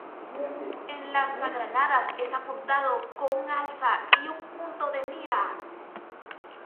El lanzagranadas es apuntado con un alza y un punto de mira.